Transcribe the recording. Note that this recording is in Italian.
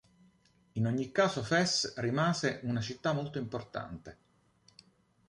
In ogni caso Fes rimase una città molto importante.